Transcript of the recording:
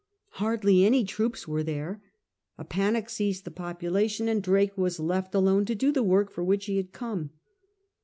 Hardly any troops were there : a panic seized the population ; and Drake was left alone to do the work for which he had come.